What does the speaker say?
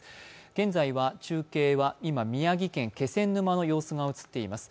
現在は中継は、今、宮城県・気仙沼の様子が映っています。